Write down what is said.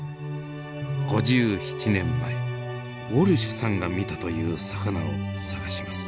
５７年前ウォルシュさんが見たという魚を探します。